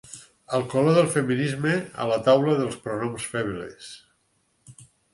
El color del feminisme a la taula dels pronoms febles.